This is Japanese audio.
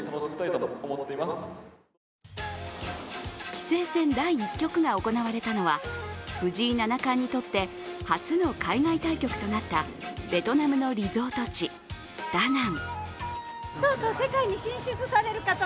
棋聖戦第１局が行われたのは藤井七冠にとって初の海外対局となったベトナムのリゾート地、ダナン。